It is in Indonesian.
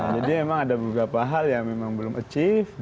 jadi memang ada beberapa hal yang memang belum achieve